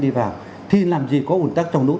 đi vào thì làm gì có ủn tắc trong lúc